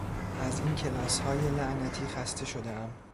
از این کلاسهای لعنتی خسته شدهام!